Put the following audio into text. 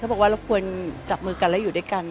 บอกว่าเราควรจับมือกันแล้วอยู่ด้วยกัน